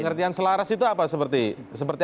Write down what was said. pengertian selaras itu apa seperti